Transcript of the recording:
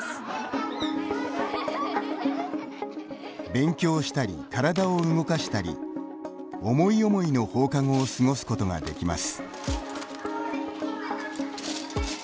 勉強したり、体を動かしたり思い思いの放課後を過ごすことができます。